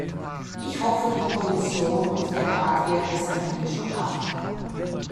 Ich hoffe, die Kommission und der Rat werden es am Ende schon schaffen.